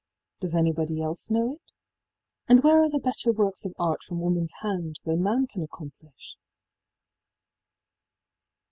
Does anybody else know it? And where are the better works of art from womanís hand than man can accomplish?